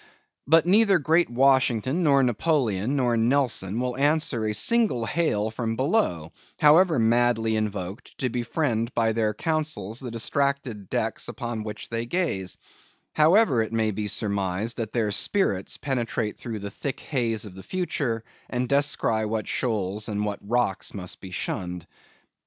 But neither great Washington, nor Napoleon, nor Nelson, will answer a single hail from below, however madly invoked to befriend by their counsels the distracted decks upon which they gaze; however it may be surmised, that their spirits penetrate through the thick haze of the future, and descry what shoals and what rocks must be shunned.